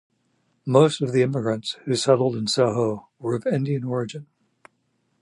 Most of the immigrants who settled in Soho were of Indian origin.